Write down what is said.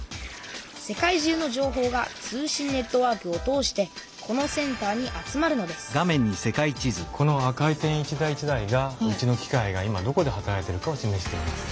世界中のじょうほうが通信ネットワークを通してこのセンターに集まるのですこの赤い点一台一台がうちの機械が今どこで働いてるかをしめしています。